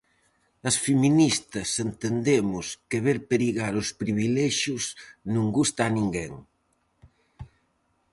As feministas entendemos que ver perigar os privilexios non gusta a ninguén.